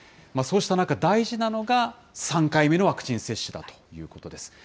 そうした中、大事なのが３回目のワクチン接種だということです。